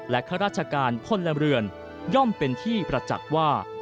ข้าราชการพลเรือนย่อมเป็นที่ประจักษ์ว่า